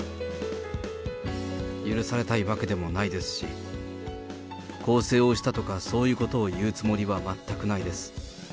許されたいわけでもないですし、更生をしたとか、そういうことを言うつもりは全くないです。